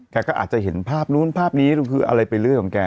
แกก็อาจจะเห็นภาพนู้นภาพนี้คืออะไรไปเรื่อยของแก